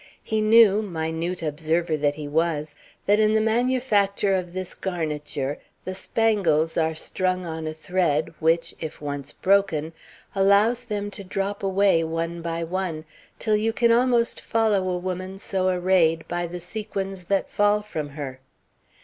He knew, minute observer that he was, that in the manufacture of this garniture the spangles are strung on a thread which, if once broken, allows them to drop away one by one, till you can almost follow a woman so arrayed by the sequins that fall from her.